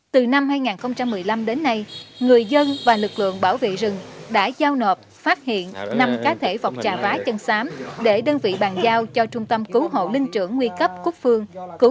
từ năm hai nghìn một mươi năm đến nay người dân và lực lượng bảo vệ rừng đã giao nộp phát hiện năm cá thể vọc trà vá chân sám để đơn vị bàn giao cho trung tâm cứu hộ linh trưởng nguy cấp quốc phương